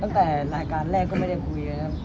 ตั้งแต่รายการแรกก็ไม่ได้คุยนะครับ